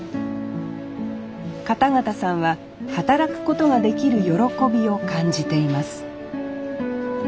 片方さんは働くことができる喜びを感じています